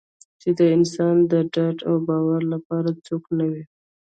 چې د انسان د ډاډ او باور لپاره څوک نه وي.